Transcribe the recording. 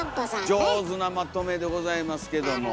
上手なまとめでございますけども。